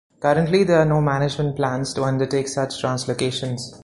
Currently there are no management plans to undertake such translocations.